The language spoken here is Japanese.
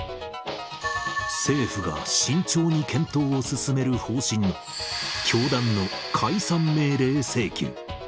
政府が慎重に検討を進める方針の教団の解散命令請求。